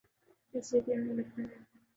اس لئے کہ انہیں لگتا ہے۔